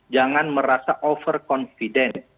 jangan merasa overconfident